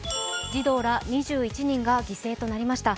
児童ら２１人が犠牲となりました。